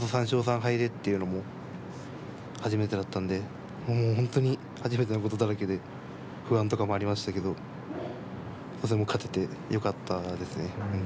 ３勝３敗でというのは初めてだったのでもう本当に初めてのことだらけで不安とかもありましたけれど勝ててよかったと思います。